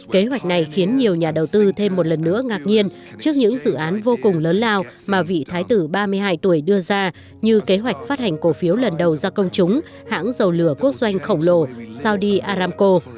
kế hoạch này khiến nhiều nhà đầu tư thêm một lần nữa ngạc nhiên trước những dự án vô cùng lớn lao mà vị thái tử ba mươi hai tuổi đưa ra như kế hoạch phát hành cổ phiếu lần đầu ra công chúng hãng dầu lửa quốc doanh khổng lồ saudi aramco